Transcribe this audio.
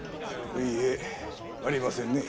いいえありませんね。